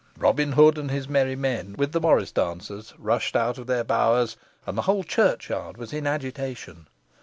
Robin Hood and his merry men, with the morris dancers, rushed out of their bowers, and the whole churchyard was in agitation.